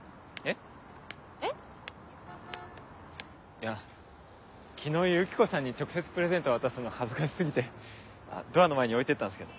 いや昨日ユキコさんに直接プレゼント渡すの恥ずかし過ぎてドアの前に置いてったんすけど。